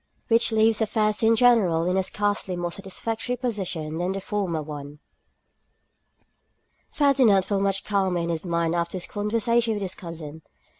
Which Leaves Affairs in General in a Scarcely More Satisfactory Position than the Former One. FERDINAND felt much calmer in his mind after this conversation with his cousin.